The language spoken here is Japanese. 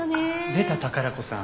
出た宝子さん。